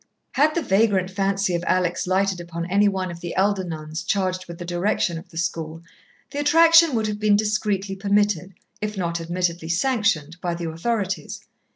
Had the vagrant fancy of Alex lighted upon any one of the elder nuns charged with the direction of the school, the attraction would have been discreetly permitted, if not admittedly sanctioned, by the authorities.